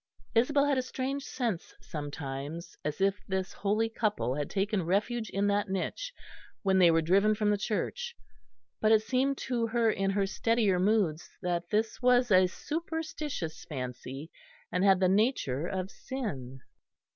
Isabel had a strange sense sometimes as if this holy couple had taken refuge in that niche when they were driven from the church; but it seemed to her in her steadier moods that this was a superstitious fancy, and had the nature of sin.